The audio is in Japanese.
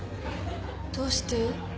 どうして？